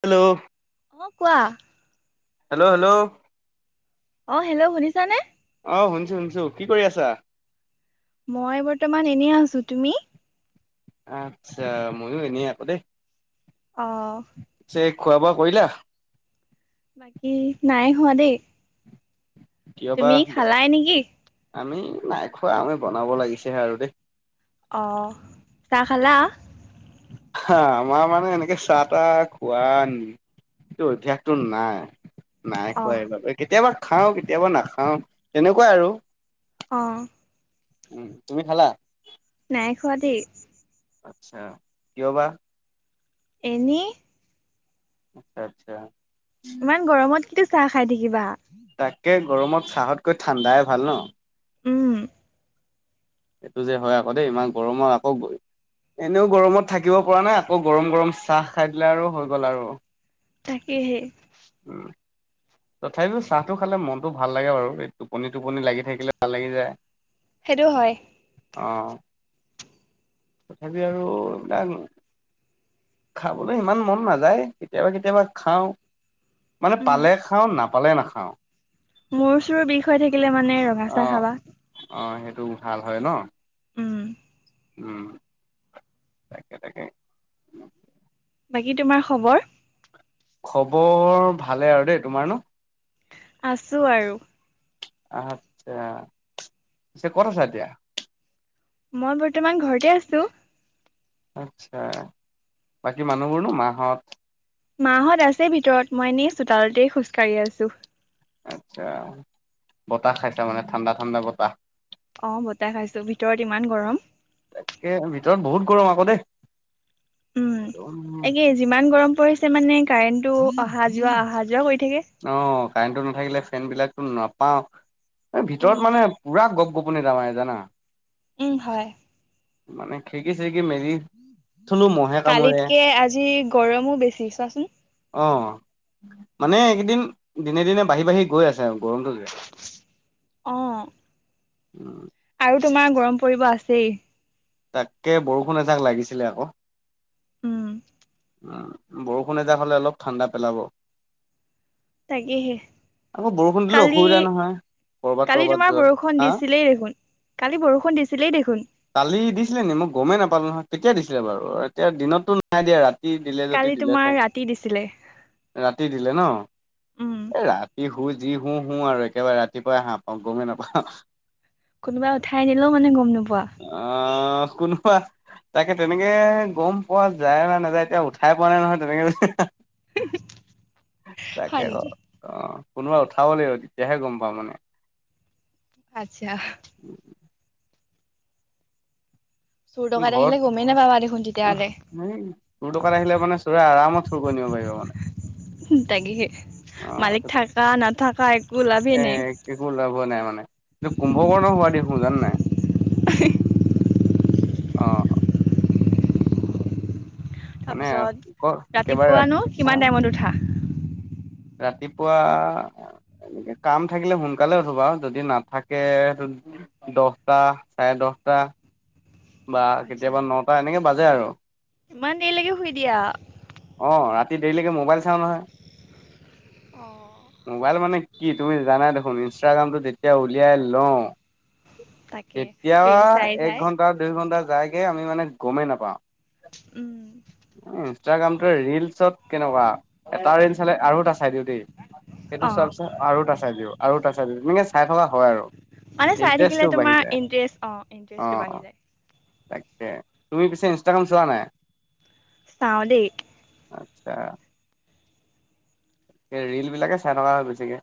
Hello অ কোৱা hello hello অ হেল্ল' শুনিছানে অ শুনিছো শুনিছো কি কৰি আছা? মই বৰ্তমান এনেই আছো, তুমি? আচ্ছা, ময়ো এনেই আকৌ দেই। অহ। সে খোৱা- বোৱা কৰিলা? বাকী নাই হোৱা দেই। কিয় বা তুমি খালাই নিকি? আমি নাই খোৱা আমি বনাব লাগিছেহে আৰু দেই। অ, চাহ খালা? হা, আমাৰ মানে এনেকে চাহ- তাহ খোৱা ত অভ্যাসটো নাই। নাই অ খোৱাই বাবে কেতিয়াবা খাওঁ কেতিয়াবা নাখাওঁ, তেনেকুৱাই আৰু। অঁ। উম, তুমি খালা? নাই খোৱা দেই। আচ্ছা, কিয় বা? এনেই। আচ্ছা আচ্ছা। ইমান গৰমত কেতিয়া চাহ খাই থাকিবা। তাকে গৰমত চাহতকৈ ঠাণ্ডাই ভাল ন। উম। এইটো যে হয় আকৌ দেই ইমান গৰমত আকৌ বৈ এনেও গৰমত থাকিব পৰা নাই আকৌ গৰম গৰম চাহ খাই দিলে আৰু হৈ গ'ল আৰু। তাকেহেই। উম। তথাপি চাহটো খালে মনটো ভাল লাগে বাৰু, এই টোপনি -টোপনি লাগি থাকিলে ভাল লাগি যায়। সেইটো হয়। অঁ। তথাপি আৰু এইবিলাক খাবলৈ ইমান মন নাযায়, কেতিয়াবা কেতিয়াবা খাওঁ। মানে পালে খাওঁ, নাপালে নাখাওঁ। মোৰ চোৰ বিষ হৈ থাকিলে মানে ৰঙা চাহ খাবা। টো ভাল হয় ন। উম উম তাকে তাকে উম। বাকী তোমাৰ খবৰ? খবৰ ভালে আৰু দেই তোমাৰ ন? আছো আৰু। আচ্ছা, চে কত আছ এতিয়া? মই বৰ্তমান ঘৰতে আছো। আচ্ছা, বাকী মানুহবোৰনো মাহত? মাহত আছে ভিতৰত, মই এনেই চোতালতেই খোজকাঢ়ি আছো। আচ্ছা, বতাহ খাইছা মানে ঠাণ্ডা ঠাণ্ডা বতাহ। অ বতাহ খাইছো ভিতৰত ইমান গৰম। তাকে ভিতৰত বহুত গৰম আকৌ দেই। উম, উম, একে যিমান গৰম পৰিছে মানে কাৰেণ্টটো অহা যোৱা অহা যোৱা কৰি থাকে। অ কাৰেণ্টটো নাথাকিলে ফেনবিলাকো নাপাও, এ ভিতৰত উম, মানে পুৰা গপ গপ পুনি দমাই জানা? উম হয়। মানে খিৰকি চিৰ কালিতকে আজি গৰমো বেছি চোৱাচোন? অঁ মানে এইকেইদিন দিনে দিনে বাঢ়ি বাঢ়ি গৈ আছে আৰু- অ', [unintelligible] আৰু তোমাৰ গৰম পৰিব আছেই- তাতকে বৰষুণ এজাক লাগিছিলে আকৌ- উম- বৰষুণ এজাক হ'লে অলপ ঠাণ্ডা পেলাব- তাকেহে- আকৌ বৰষুণ দিলেও কালি অসুবিধা নহয় - কালি তোমাৰ বৰষুণ দিছিলেই দেখোন কালি বৰষুণ দিছিলেই দেখোন- কালি দিছিলে মই গমেই নাপালো নহয় কেতিয়া দিছিলে বাৰু? এতিয়া দিনতো নাই দিয়া ৰাতি- দিলে যদি কালি দিলে তোমাৰ চাই ৰাতি দিছিলে ৰাতি দিলে ন উম। এ ৰাতি শুই- যি শু শু আৰু একেবাৰে ৰাতিপুৱাই সাৰ পাওঁ গমেই নাপাওঁ- কোনোবাই উঠাই আনিলেও মানে গম নোপোৱা? অ কোনোবা- তাকে তেনেকে গম পোৱা যায় না নাযায়, এতিয়া উঠাই পোৱা নাই নহয়, তেনেকে যে- তাকে হয় নেকি অ- কোনোবাই উঠাব লাগিব তেতিয়াহে গম পাওঁ মানে- আত্ছা! [unintelligible] চোৰ দকাইড ঘৰত আহিলে গমেই নাপাবা দেখোন তেতিয়াহ'লে- চোৰ দকাত আহিলে মানে চোৰে আৰামত চুৰ কৰি নিব পাৰিব মানে তাকেহে মালিক অ থাকা নাথকা একো ল- এ একো লাভ নাই মানে উম, কুম্ভকৰ্ণ হোৱা দি - জান নাই অ- মানে তাৰপিছত ক একেবা ৰাতিপুৱানো কিমান ৰাতি - টাইমত উঠা? ৰাতিপুৱা- কাম থাকিলে সোনকালে উঠো বা যদি নাথাকে দহটা চাৰে দহ- [unintelligible] বা আচ্ছা কেতিয়াবা ন'টা এনেকে বাজে আৰু ইমান দেৰিলৈকে শুই দিয়া? অ ৰাতি- দেৰিলৈকে মোবাইল চাও নহয় অ' মোবাইল মানে কি তুমি জানা দেখোন ইনষ্টাগ্ৰামটো যেতিয়া উলিয়াই লওঁ- তাকে তেতিয়া ৰিছ চাই এক চাই- ঘন্টা দুই ঘণ্টা যায়গে আমি মানে গমেই নাপাওঁ। উম- ইনষ্টাগ্ৰামটো ৰিলচত- কেনেকুৱা এটা ৰিচ চালে আৰু এটা চাই দিওঁ দেই, সেইটো চোৱা অ' পিছত আৰু এটা চাই দিও আৰু তা এনেকে চাই থকা হয় আৰু। মানে চাই থাকিলে ইণ্টাৰেষ্টটো বাঢ়ি তোমাৰ যায় ইণ্টাৰেষ্ট অ অ ইণ্টষ্টটো অ বাঢ়ি যায়। তাকে তুমি পিছে ইনষ্টাগ্ৰাম চোৱা নাই? চাওঁ দাই - আচ্ছা- ৰিল বিলাকে চাই থকা হয় বেছিকে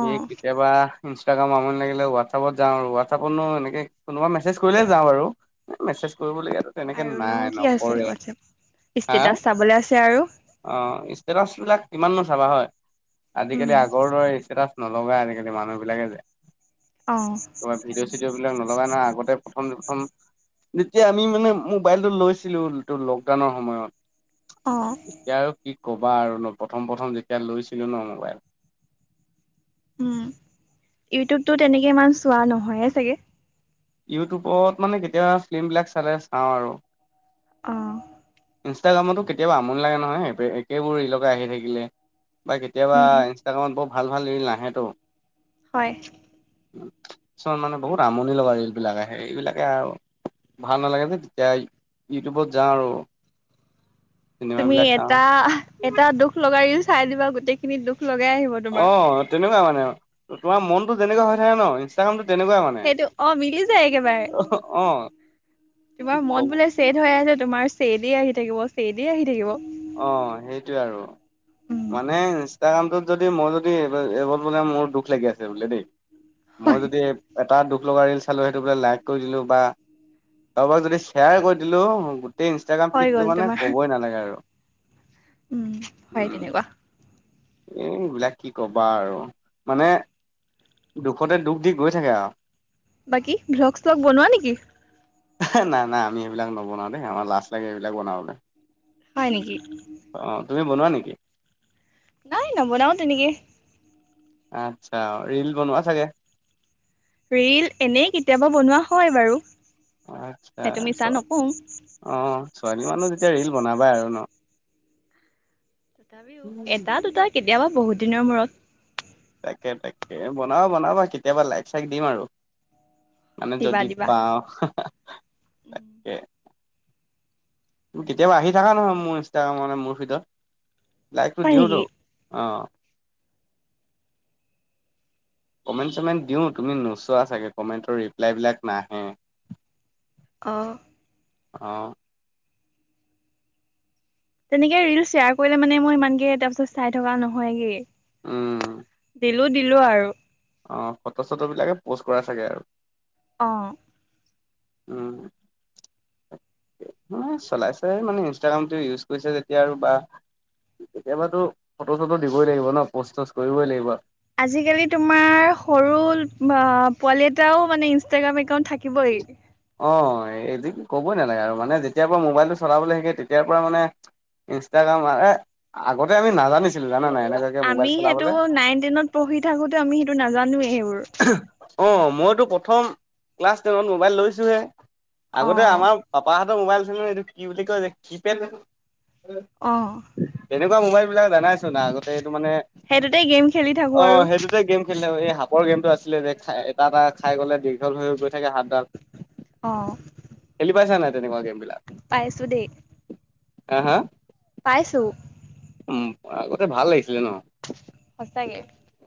হি কেতিয়াবা- ইনষ্টাগ্ৰাম আমনি লাগিলে হোৱাটছআপত যাওঁ আৰু হোৱাটছাপতনো এনেকে কোনোবা মেছেজ কৰিলে যাওঁ আৰু- মেছেজ কৰিবলগীয়াটো তেনেকে আৰুনো নাই কি আছে নকৰে- হোৱাটছএপ হা ষ্টেটাছ চাবলৈ আছে আৰু অ- ষ্টেটাচ বিলাক কিমাননো চাবা হয় আজিকালি উম, আগৰ দৰে ষ্টেটাচ- নলগা আজিকালি মানুহবিলাকে যে অ' - কিবা ভিডিঅ' চিডিঅ' বিলাক নলগা নহয় আগতে প্ৰথম প্ৰথম- যেতিয়া আমি মানে মোবাইলটো লৈছিলোটো লকডাউনৰ সময়ত- অ' এতিয়া আৰু কি কবা আৰু ন- প্ৰথম প্ৰথম যেতিয়া লৈছিলোঁ ন মোবাইল। উম ইউটিউবটো তেনেকে ইমান চোৱা নহয়ে চাগে? ইউটিউবত মানে কেতিয়াবা ফিল্মবিলাক চালে চাওঁ আৰু। আহঁ! ইনষ্টাগ্ৰামতো কেতিয়াবা আমনি লাগে নহয় একেবোৰ ৰিলকে আহি থাকিলে। বা কেতিয়াবা উম, ইনষ্টাগ্ৰামত বৰ ভাল ভাল ৰিল নাহেটো। হয়! কিছুমান বহুত আমনি লগা ৰিল। এইবিলাকে আৰু ভাল নালাগে যে তেতিয়া ইউটিউবত যাওঁ আৰু। চিনেমা তুমি বিলাক চাওঁ এটা এটা দুখ লগা ৰীল চাই দিবা গোটেইখিনি দুখ লগাই আহিব অ তোমাৰ। তেনেকুৱা মানে। তোমাৰ মনতো তেনেকা হৈ থাকে ন ইনষ্টাগ্ৰাম সেইটো অ মিলি যায় একেবাৰে। অ তোমাৰ কব মন বোলে ছেদ হৈ আছে তোমাৰ ছেদ এ আহি থাকিব ছেদ এ আহি থাকিব। অ সেইটোৱে আৰু। উম মানে ইনষ্টাগ্ৰামটোত যদি মই যদিব এইবল বোলে মোৰ দুখ লাগি আছে ব দেই মই হয় যদি এটা দুখ লগা ৰিলচ চালু সেইটো বোলে লাইক কৰি দিলোঁ বা কাৰোবাক যদি শ্বেয়াৰ কৰি দিলোঁ ম গোতেই ইনষ্টাগ্ৰাম হৈ গ'ল ফিডটো মানে তোমাৰ ক'বই নালাগে আৰু। উম হয় তেনেকুৱা। এ এইবিলাক কি কবা আৰু মানে দুখতে দুখ দি গৈ থাকে আৰু। বাকী ভ্লগ চলগ বনোৱা নেকি? নাই নাই আমি এইবিলাক নবনাওঁ দেই আমাৰ লাষ্ট লাগে এইবিলাক বনাবলে। হয় নেকি? তুমি বনোৱা নেকি? নাই নবনাও তেনেকে। আচ্ছা ৰীল বনোৱা চাগে? ৰিল এনেই কেতিয়াবা বনোৱা হয় বাৰু। আচ্ছা সেইটো মিছা নকওঁ অ ছোৱালী মানুহ যেতিয়া ৰিল বনাবাই আৰু ন। তথাপিও এটা দুটা কেতিয়াবা বহুত দিনৰ মূৰত। তাকে তাকে বনাবা বনাবা কেতিয়াবা লাইক চাইক দিম আৰু। মানে দিবা যদি দিবা পাওঁ তাকে কেতিয়াবা আহি থাকা নহয় মোৰ ইনষ্টাগ্ৰামৰ মোৰ ভিতৰত লাইকটো হয় নেকি দিওঁতো অ। [unintelligible] কমেণ্ট চমেণ্ট দিওঁ তুমি নোচোৱা চাগে কমেণ্টৰ ৰিপ্লাইবিলাক নাহে। আহঁ! আহ! তেনেকে ৰিল শ্বেয়াৰ কৰিলে মানে মই ইমানকে তাৰপিছত চাই থকা নহয়গে। উম! দিলো দিলো আৰু। অ ফটো চটো বিলাকে পোষ্ট কৰা চাগে আৰু। অ! উম! মানে চলাইছে মানে ইনষ্টাগ্ৰামটো ইউজ কৰিছা যেতিয়া আৰু বা কেতিয়াবাতো ফটো চটো দিবই লাগিব ন প'ষ্ট চষ্ট কৰিবই লাগিব। আজিকালি তোমাৰ সৰু পোৱালি এটাও মানে ইনষ্টাগ্ৰাম একাউন্ট থাকিবই। অ এই ক'বই নালাগে আৰু মানে যেতিয়া পৰা মোবাইলটো চলাবলৈ শিকে তেতিয়াৰ পৰা মানে ইনষ্টাগ্ৰাম আগতে আমি নাজানিছিলো জানা নাই। এনেকুৱাকে মোবাইল আমি সেইটো চলাবলে নাইন টেনত পঢ়ি থাকোতে আমি সেইটো নাজানো অঁ মইতো প্ৰথম ক্লাছ টেনত মোবাইল লৈছোহে আগতে অ'। আমাৰ পাপাৰ হাতৰ মোবাইল আছিল নহয় এইটো কি বুলি কয় যে কি পেড অঁ এনেকুৱা মোবাইল বিলাক দানাইছো না আগতে এইটো মানে সেইটোতে গেম খেলি থাকো অ আৰু সেইটোতে গেম খেললে ৰ গেমতটো আছিলে যে খ এটা এটা খাই গ'লে দীঘল হৈ গৈ হাতডাল খেলি পাইছা নাই তেনেকুৱা গেম বিলাক পাইছোঁ দেই আঁহ হাঁ পাইছোঁ উ আগতে ভাল লাগিছিলে ন সঁচাকে।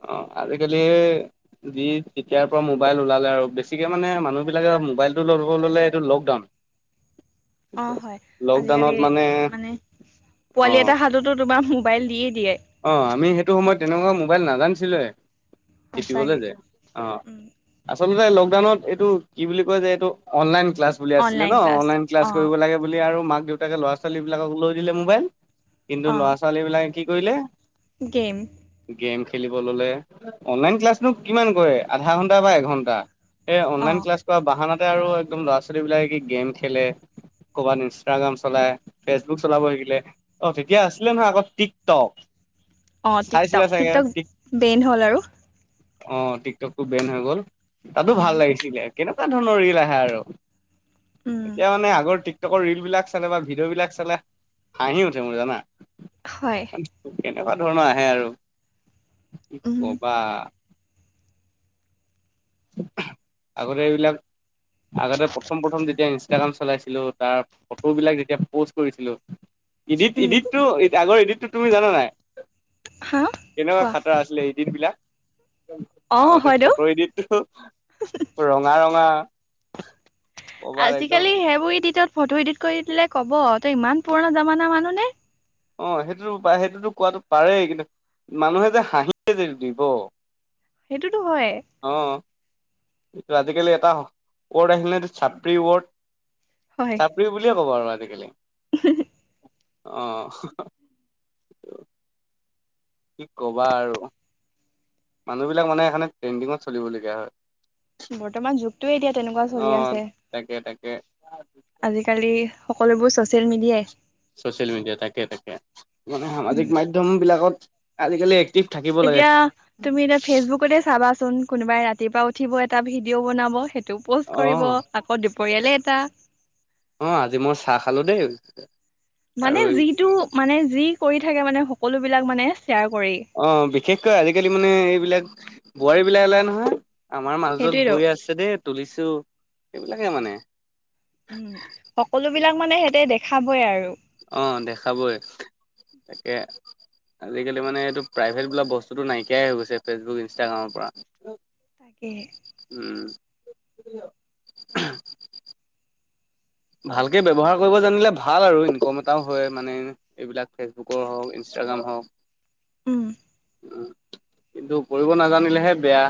অ আজিকালি। যি তেতিয়াৰ পৰা মোবাইল ওলালে আৰু বেছিকে মানে মানুহবিলাকে মোবাইলটো ল'ব ল'লে এইটো লকডাউন [unintelligible] অঁ হয় আজিকালি মানে পোৱালি এটাৰ হাততো তোমাৰ মোবাইল দিয়ে। অঁ আমি সেইটো সময়ত তেনেকুৱা মোবাইল নাজানিছিলোৱে টিপিবলৈ সঁচাকে। যে অঁ আচলতে লকডাউনত এইটো কি বুলি কয় যে এইটো অনলাইন ক্লাছ বুলি আছিলে অনলাইন ন অনলাইন ক্লাছ অ', কৰিব লাগে বুলি আৰু মাক দেউতাকে ল'ৰা ছোৱালীবলাকক লৈ দিলে মোবাইল। কিন্তু অ', ল'ৰা ছোৱালী বিলাকে কি কৰিলে গেম গেম খেলিব ললে অনলাইন ক্লাছনো কিমান কৰে আধা ঘন্টা বা এঘন্টা। এ অনলাইন অ', ক্লাছ কৰা বাহানা। তাতে আৰু একদম ল'ৰা ছোৱালীবিলাকে কি গেম খেলে ক'ৰবাত ইনষ্টাগ্ৰাম চলায়। ফেচবুক হয়। চলাব শিকিলে অ তেতিয়া আছিলে নহয় আকৌ টিকটক অঁ চাইছিলে টিকটক টিকটক বেইন হ'ল আৰু অঁ টিকটকটো বেন হৈ গ'ল তাতো উম, ভাল লাগিছিলে কেনেকুৱা ধৰণৰ ৰিল আহে আৰু উম, এতিয়া মানে আগৰ প্ৰ ৰিল বিলাক চালে বা ভিডিঅ' বিলাক চালে হাঁহি উঠে মোৰ জানা হয়। তেনেকুৱা ধৰণৰ আহে আৰু কি উম কবা আগতে এইবিলাক আগতে প্ৰথম প্ৰথম যেতিয়া নি ইষ্টাগ্ৰাম চলাইছিলো তাৰ ফটোবিলাক যেতিয়া প'ষ্ট কৰিছিলো ইডিট উম ইডিটটো আগৰ ইডিটটো তুমি জানা নাই হা কোৱা কেনেকুৱা খাতাৰা আছিলে এইদিন বিলাক অ আগতে হয়তো ফটো এডিটটো ৰঙা ৰঙা কবাৰ একদম আজিকালি সেইবোৰ ইডিটত ফটো ইডিট কৰি দিলে কব তই ইমান পুৰণা জামানা মানুহ নে অঁ সেইটোতো প সেইটোতো কোৱাটো পাৰেই কিন্তু মানুহে যে হাঁহিয়ে য দিব সেইটোতো হয় কি আজিকালি এটা ৱৰ্ড আহিলে চাবৰি ৱৰ্ড চাপৰিও বুলিয়ে কব আৰু আজিকালি উম আহঁ কি কবা আৰু মানুহবিলাক মানে সে ট্ৰেণ্ডিঙত চলিবলগীয়া হয় বৰ্তমান যুগতে এতিয়া তেনেকুৱা চলি অ', আছে তাকে তাকে আজিকালি সকলোবোৰ ছচিয়েল মিডিয়াই চচিয়েল মিডিয়া তাকে তাকে মানে উম সামাজিক মাধ্যম বিলাকত আজিকালি এক্টিভ থাকিব লাগে। এতিয়া তুমি এতিয়া ফেচবুকতে চাবা চোন কোনোবাই ৰাতিপুৱা উঠিব এটা ভিডিঅ' বনাব সেইটোও পষ্ট কৰিব অ', আকৌ দিব পৰিয়ালে এটা। অ আজি মই চাহ খালো দেই। মানে আৰু যিটো মানে যি কৰি থাকে মানে সকলো বিলাক মানে শ্বেয়াৰ কৰি অ বিশেষকৈ আজিকালি মানে এইবিলাক বোৱাৰী বিলাক ওলাই নহয়। আমাৰ মাজজন শু সেইটোৱেতো আছে দেই তুলিছো সেইবিলাকে মানে। উম সকলো বিলাক মানে সিহঁতে দেখাবই আৰু আহ দেখাবই তাকে। আজিকালি মানে এইটো প্ৰাইভেট বোলা বস্তুটো নাইকিয়াই হৈ গৈছে ফেচবুক ইনষ্টাগ্ৰামৰ পৰা। তাকে। উম। ভালকে ব্য্ৱহাৰ কৰিব জানিলে ভাল আৰু ইনকম এটাও হয় মানে এইবিলাক ফেচবুকৰ হওক ই ম হওক উম। উ কিন্তু কৰিব নাজানিলেহে বেয়া।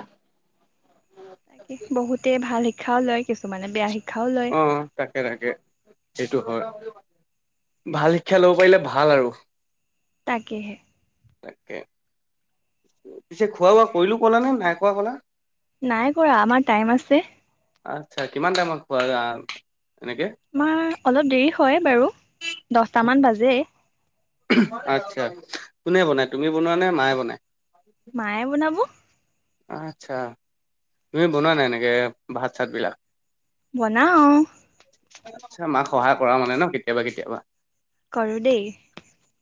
শ খা ল কিছুমানে বেয়া শিকা। আহ তাকে তাকে সেইটো হয়। ভাল শিক্ষা ল'ব পাৰিলে ভাল আৰু তাকেহে। তাকে পিছে খোৱা বোৱা কৰিলো কলা নে নাই খোৱা কলা। নাই কৰা আমাৰ টাইম আছে। আচ্ছা কিমান টাইমত পোৱা যা মা অলপ দেৰি হয় বাৰু দহটামান বাজে আচ্ছা কোনে বনায় তুমি বনোৱা নে মায়ে বনায়? মায়ে বনাব। আচ্ছা তুমি বনোৱা নাই এনেকে ভাত চাত বিলাক? বনাও আচ্ছা মাক সহায় কৰা মানে ন কেতিয়াবা কেতিয়াবা। কৰো দেই।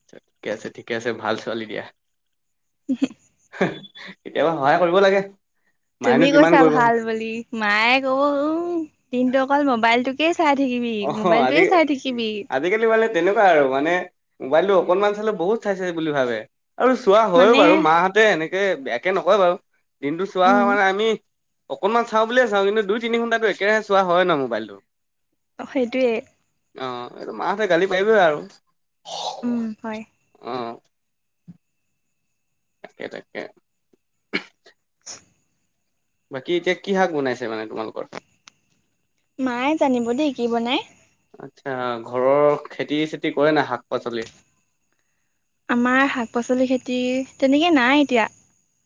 ঠিকে আছে ঠিকে আছে ভাল ছোৱালী দিয়া। [unintelligible] কেতিয়াবা সহায় কৰিব লাগে। তুমি মায়েনো কিমান কৈছা কৰিব ভাল বুলি মায়ে কব উম দিন্তু অকল মোবাইলটো অস আজি আজিকালি মানে তেনেকুৱা আৰু মানে মোবাইলটো অকনমান চালে বহুত চাইছে বুলি ভাবে। আৰু চোৱা হয়ও মানে বাৰু মাহঁতে এনেকে বেয়াকে নকয় বাৰু দিনটো চোৱা হয় উম মানে আমি অকণমান চাওঁ বুলিয়ে চাওঁ কিন্তু দুই তিনি ঘণ্টাটো একেৰাহে চোৱা হয় ন মোবাইলটো। সেইটোৱেই মাহতে গালি পাৰিবই আৰু উম হয়। অ তাকেই তাকে [inaudible] বাকী এতিয়া কি শাক বনাইছে মানে তোমালোকৰ মায়ে জানিব দেই কি বনাই। ঘৰৰ খেতি চেতি কৰে নাই শাক পাচলি? আমাৰ শাক পাচলি খেতি তেনেকে নাই এতিয়া।